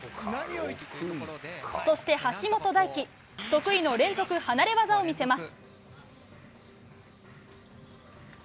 そして橋本大輝得意の連続離れ技を見せます。